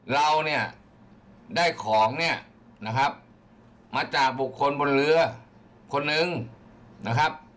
เราเนี่ยได้ของเนี่ยนะครับมาจากบุคคลบนเรือคนนึงนะครับ